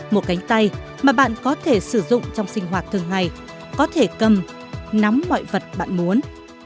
một cánh tay mà bạn có thể sử dụng trong sinh hoạt thường ngày có thể cầm nắm mọi vật bạn muốn